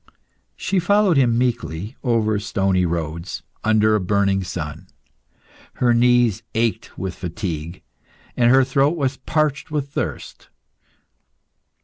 She followed him meekly, over stony roads, under a burning sun. Her knees ached from fatigue, and her throat was parched with thirst.